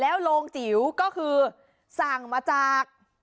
โรงจิ๋วก็คือสั่งมาจาก